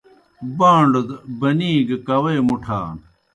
بان٘ڈوْ دہ بنی گہ کاؤے مُٹھان۔